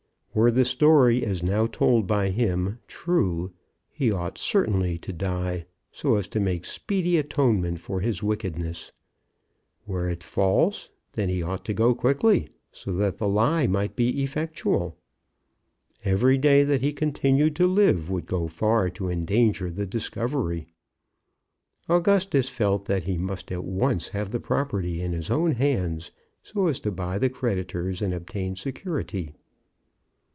Were the story, as now told by him, true, he ought certainly to die, so as to make speedy atonement for his wickedness. Were it false, then he ought to go quickly, so that the lie might be effectual. Every day that he continued to live would go far to endanger the discovery. Augustus felt that he must at once have the property in his own hands, so as to buy the creditors and obtain security.